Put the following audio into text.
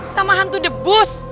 sama hantu debus